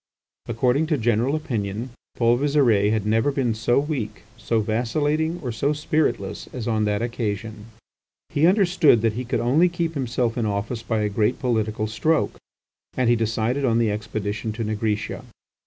According to general opinion, Paul Visire had never been so weak, so vacillating, or so spiritless, as on that occasion. He understood that he could only keep himself in office by a great political stroke, and he decided on the expedition to Nigritia.